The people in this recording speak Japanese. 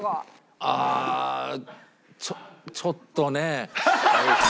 ああちょちょっとねえ。